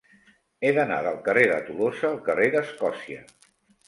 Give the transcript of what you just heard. He d'anar del carrer de Tolosa al carrer d'Escòcia.